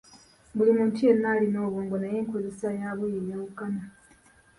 Buli muntu yenna alina obwongo naye enkozesa yabwo yeyawukana.